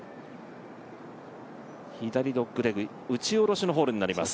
左ドッグレッグ打ち下ろしになります。